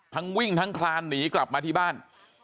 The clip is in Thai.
วิ่งทั้งคลานหนีกลับมาที่บ้าน